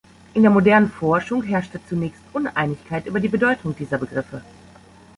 In der modernen Forschung herrschte zunächst Uneinigkeit über die Bedeutung dieser Begriffe.